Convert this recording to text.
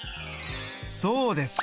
そうです